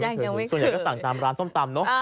ส่วนใหญ่ก็สั่งตามร้านส้มตำเนอะ